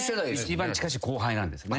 一番近しい後輩なんです。